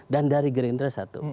dan dari greenress satu